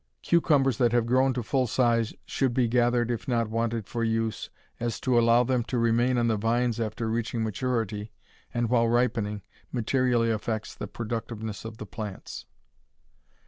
Cucumbers that have grown to full size should be gathered if not wanted for use, as to allow them to remain on the vines after reaching maturity, and while ripening, materially affects the productiveness of the plants.